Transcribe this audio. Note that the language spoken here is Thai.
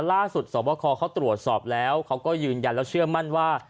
สวบคอเขาตรวจสอบแล้วเขาก็ยืนยันแล้วเชื่อมั่นว่า